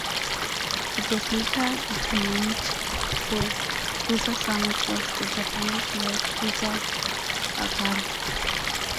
It was later determined the cruiser sunk was the Japanese light cruiser "Agano".